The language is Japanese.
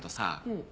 うん。